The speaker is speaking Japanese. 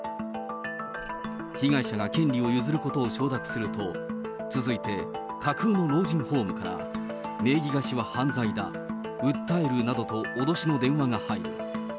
被害者が権利を譲ることを承諾すると、続いて架空の老人ホームから、名義貸しは犯罪だ、訴えるなどと脅しの電話が入る。